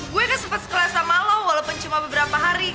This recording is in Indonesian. gue kan sempat sekolah sama lo walaupun cuma beberapa hari